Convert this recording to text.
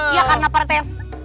iya karena parete